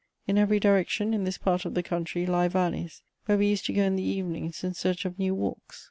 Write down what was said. In every direction, in this part of the country, lie valleys, where we used to go in the evenings in search of new walks.